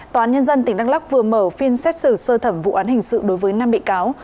tòa án nhân dân tỉnh đắk lắc vừa mở phiên xét xử sơ thẩm vụ án hình sự đối với năm bị cáo